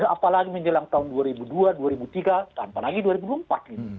apalagi menilai tahun dua ribu dua dua ribu tiga apalagi dua ribu empat